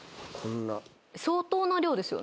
相当な量ですよね。